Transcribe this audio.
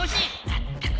まったく。